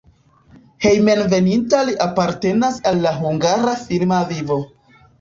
Hejmenveninta li apartenas al la hungara filma vivo.